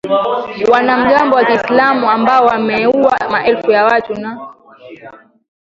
wanamgambo wa kiislamu ambao wameua maelfu ya watu na